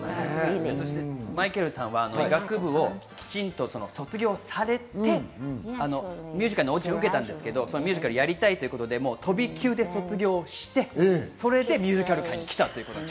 マイケルさんは医学部をきちんと卒業されてミュージカルのオーディションを受けたんですけれど、やりたいということで飛び級で卒業してそれでミュージカル界に来たんです。